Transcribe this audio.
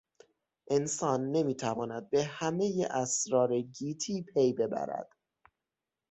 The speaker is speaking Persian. انسان نمیتواند به همهی اسرار گیتی پی ببرد.